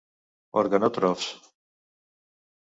Organòtrofs: